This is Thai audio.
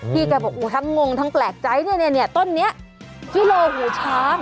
แกบอกทั้งงงทั้งแปลกใจเนี่ยต้นนี้กิโลหูช้าง